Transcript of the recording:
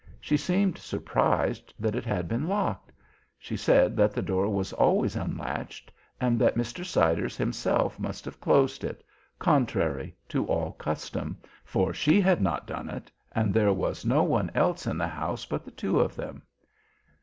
She seemed surprised that it had been locked. She said that the door was always unlatched, and that Mr. Siders himself must have closed it, contrary to all custom, for she had not done it, and there was no one else in the house but the two of them.